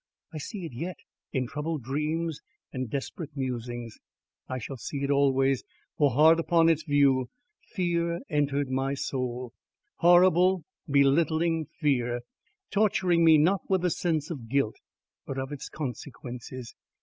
I see it yet in troubled dreams and desperate musings. I shall see it always; for hard upon its view, fear entered my soul, horrible, belittling fear, torturing me not with a sense of guilt but of its consequences.